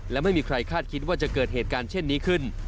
และไม่มีใครคาดคิดว่าจะเกิดเหตุการณ์เช่นนี้ขึ้น